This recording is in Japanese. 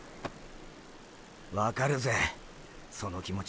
分かるぜその気持ち。